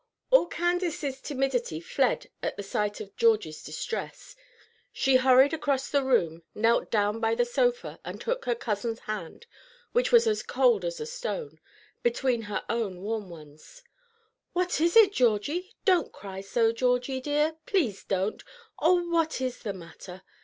ALL Candace's timidity fled at the sight of Georgie's distress. She hurried across the room, knelt down by the sofa, and took her cousin's hand, which was as cold as a stone, between her own warm ones. "What is it, Georgie? Don't cry so, Georgie, dear, please don't! Oh, what is the matter?"